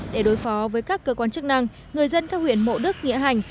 để đối phó với các cơ quan chức năng người dân các huyện mộ đức nghĩa hành